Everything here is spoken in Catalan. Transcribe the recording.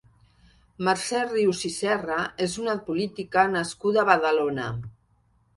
Mercè Rius i Serra és una política nascuda a Badalona.